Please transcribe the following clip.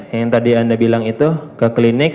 yang tadi anda bilang itu ke klinik